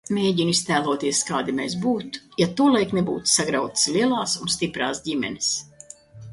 Mēģinu iztēloties, kādi mēs būtu, ja tolaik nebūtu sagrautas lielās un stiprās ģimenes.